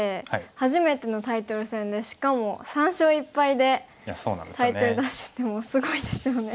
初めてのタイトル戦でしかも３勝１敗でタイトル奪取ってもうすごいですよね。